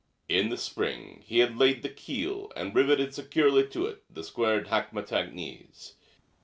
In the spring he had laid the keel and riveted securely to it the squared hackmatack knees.